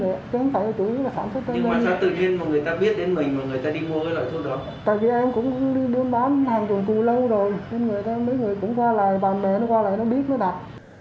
đâu rồi mấy người cũng qua lại bà mẹ nó qua lại nó biết nó đặt